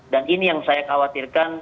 dan ini yang saya khawatirkan